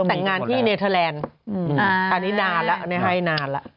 แล้วต่างงานที่เนเธอแลนด์อันนี้นานละอันนี้ให้นานละ